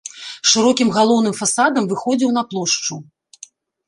Шырокім галоўным фасадам выходзіў на плошчу.